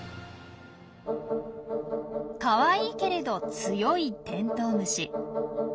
かわいいけれど強いテントウムシ。